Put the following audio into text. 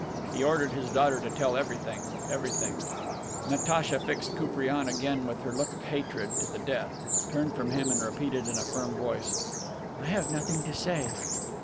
He ordered his daughter to tell everything, everything. Natacha fixed Koupriane again with her look of hatred to the death, turned from him and repeated in a firm voice: "I have nothing to say."